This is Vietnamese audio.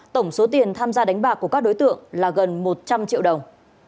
tổng số tiền tham gia đánh bạc của các đối tượng là gần một trăm linh triệu đồng